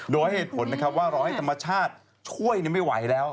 โดยให้เหตุผลนะครับว่ารอให้ธรรมชาติช่วยไม่ไหวแล้ว